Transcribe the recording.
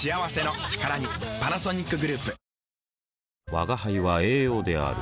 吾輩は栄養である